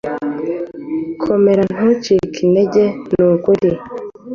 komera ntucike intege nukuri